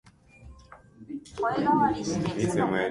海辺でのんびり過ごす。